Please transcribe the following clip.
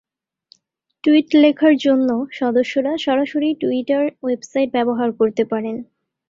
Tweet লেখার জন্য সদস্যরা সরাসরি টুইটার ওয়েবসাইট ব্যবহার করতে পারেন।